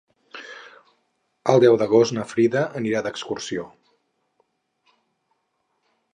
El deu d'agost na Frida anirà d'excursió.